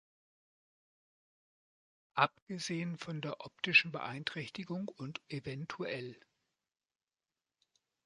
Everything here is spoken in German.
Abgesehen von der optischen Beeinträchtigung und evtl.